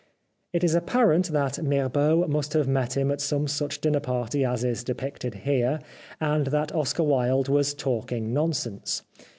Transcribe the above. It is ap parent that Mirbeau must have met him at some such dinner party as is depicted here, and that Oscar Wilde was talking nonsense.